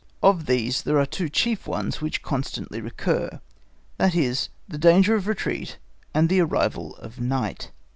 Of these there are two chief ones which constantly recur, that is, the danger of retreat, and the arrival of night.